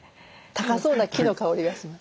高そうな木の香りがします。